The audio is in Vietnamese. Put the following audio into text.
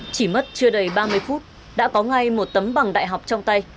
chỉ mất chưa đầy ba mươi phút đã có ngay một tấm bằng đại học trong tay